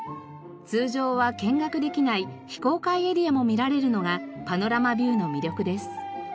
通常は見学できない非公開エリアも見られるのがパノラマビューの魅力です。